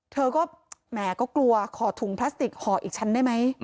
เธอก็แหมก็กลัวขอถุงพลาสติกห่ออีกชั้นได้ไหม